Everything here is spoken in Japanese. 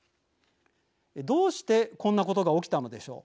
どうしてこんなことが起きたのでしょう。